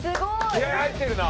気合入ってるな。